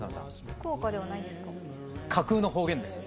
福岡ではないんですか？